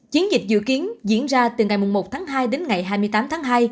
chiến dịch dự kiến diễn ra từ ngày một tháng hai đến ngày hai mươi tám tháng hai